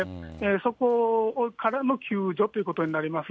そこからの救助ということになります。